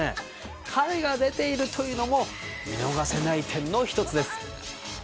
彼が出ているというのも見逃せない点の１つです。